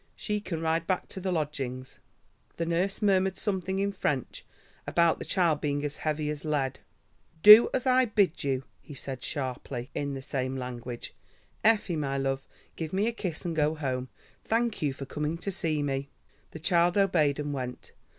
She can ride back to the lodgings." The nurse murmured something in French about the child being as heavy as lead. "Do as I bid you," he said sharply, in the same language. "Effie, my love, give me a kiss and go home. Thank you for coming to see me." The child obeyed and went.